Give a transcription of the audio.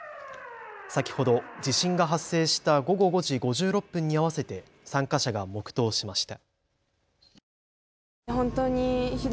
先ほど地震が発生した午後５時５６分に合わせて参加者が黙とうしました。